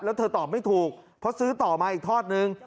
แล้วเธอตอบไม่ถูกเพราะซื้อต่อมาอีกทอดนึง